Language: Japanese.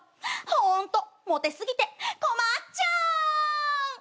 ホントモテ過ぎて困っちゃう！